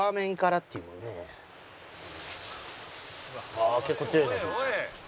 ああ結構強いね。